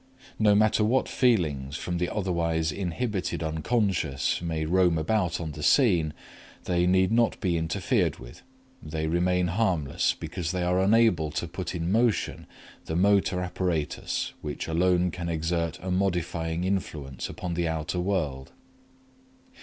No matter what feelings from the otherwise inhibited Unc. may roam about on the scene, they need not be interfered with; they remain harmless because they are unable to put in motion the motor apparatus which alone can exert a modifying influence upon the outer world.